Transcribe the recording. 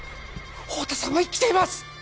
太田さんは生きています